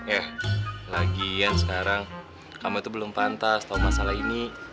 eh lagian sekarang kamu itu belum pantas tau masalah ini